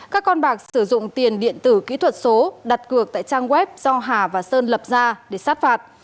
các con bạc sử dụng tiền điện tử kỹ thuật số đặt cược tại trang web do hà và sơn lập ra để sát phạt